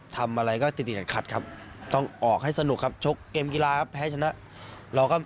ทำอะไรก็สิบค่ะต้องออกให้สนุกครับชกเกมกีฬาแพ้ชนะ